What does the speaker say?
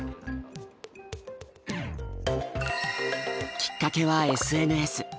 きっかけはＳＮＳ。